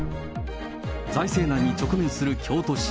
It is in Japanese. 財政難に直面する京都市。